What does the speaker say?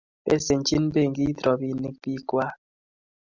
Besenchini benkit robinik biikwak.